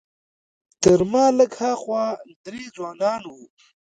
تر ما لږ ها خوا درې ځوانان وو.